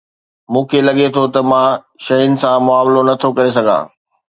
مون کي لڳي ٿو ته مان شين سان معاملو نٿو ڪري سگهان